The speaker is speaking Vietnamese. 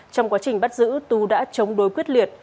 trong quá trình bắt giữ tú đã chống đối quyết liệt